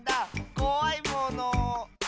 こわいもの。